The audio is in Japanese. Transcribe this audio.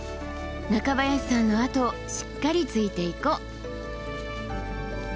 中林さんの後をしっかりついていこう。